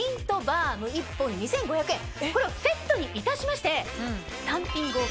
これをセットにいたしまして。